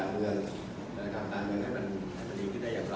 การตอบไปได้อย่างใบครับ